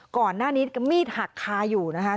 ก่อนหน้านี้มีดหักคาอยู่นะคะ